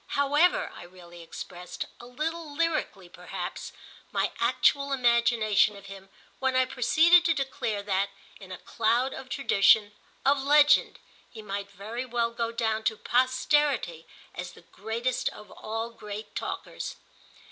However, I really expressed, a little lyrically perhaps, my actual imagination of him when I proceeded to declare that, in a cloud of tradition, of legend, he might very well go down to posterity as the greatest of all great talkers.